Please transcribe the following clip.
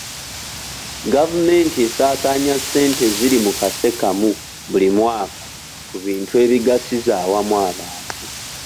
Gavumenti esaasaanya ssente eziri mu kase kamu buli mwaka ku bintu ebigasiza awamu abantu.